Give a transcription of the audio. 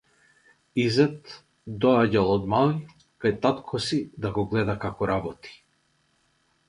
Изет доаѓал од мал кај татко си, да го гледа како работи.